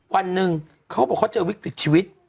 วันหนึ่งเขาก็บอกเขาเจอวิกฤตชีวิต